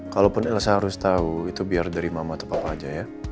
kalaupun elsa harus tahu itu biar dari mama atau papa aja ya